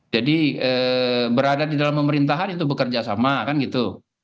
jadi eee berada di dalam pemerintahan itu bekerjasama kan gitu